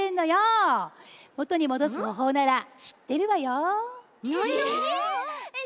もとにもどすほうほうならしってるわよ。